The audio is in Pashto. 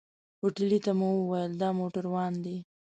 هوټلي ته مو وويل دا موټروان دی.